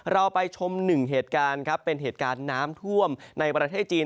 เราไปชมหนึ่งเหตุการณ์ครับเป็นเหตุการณ์น้ำท่วมในประเทศจีน